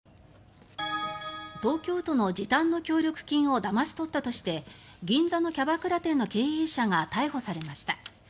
東京都の時短の協力金をだまし取ったとして銀座のキャバクラ店の経営者が逮捕されました。